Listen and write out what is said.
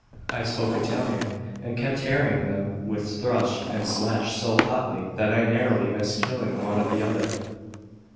I spoke Italian, and kept harrying them with thrust and slash so hotly that I narrowly missed killing one or the other.